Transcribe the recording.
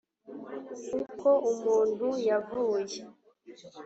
uko umuntu yavuye